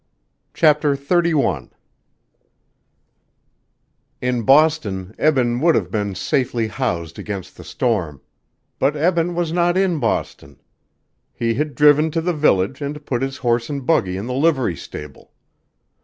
CHAPTER XXXI In Boston Eben would have been safely housed against the storm, but Eben was not in Boston. He had driven to the village and put his horse and buggy in the livery stable.